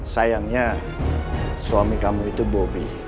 sayangnya suami kamu itu bobi